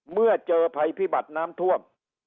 เมื่อเจอภัยพิบัติน้ำท่วม